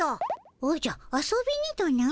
おじゃ遊びにとな？